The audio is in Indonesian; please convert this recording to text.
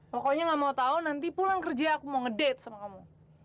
pokoknya gak mau tau nanti pulang kerja aku mau ngedate sama kamu